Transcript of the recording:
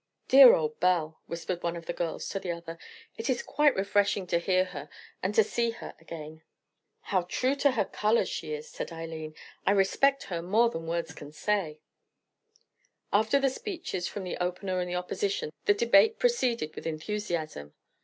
"Dear old Belle," whispered one of the girls to the other; "it is quite refreshing to hear her and to see her again." "How true to her colours she is," said Eileen. "I respect her more than words can say." After the speeches from the opener and the opposition, the debate proceeded with enthusiasm.